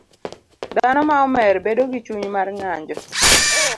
Dhano ma omer bedo gi chuny mar ng'anjo